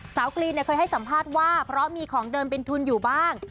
กรีนเคยให้สัมภาษณ์ว่าเพราะมีของเดิมเป็นทุนอยู่บ้าง